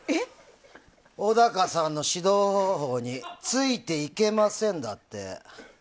小高さんの指導方法についていけませんだって。